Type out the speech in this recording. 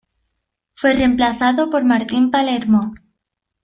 Fue reemplazado por Martín Palermo.